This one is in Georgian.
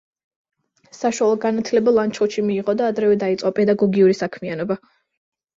საშუალო განათლება ლანჩხუთში მიიღო და ადრევე დაიწყო პედაგოგიური საქმიანობა.